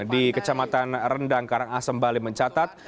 di kecamatan rendang karangasembali mencatat